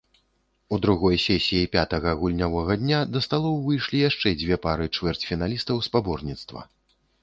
У другой сесіі пятага гульнявога дня да сталоў выйшлі яшчэ дзве пары чвэрцьфіналістаў спаборніцтва.